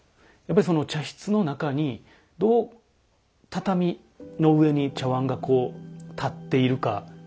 やっぱり茶室の中にどう畳の上に茶碗がこう立っているか。